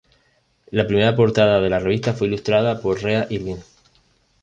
La primera portada de la revista fue ilustrada por Rea Irvin.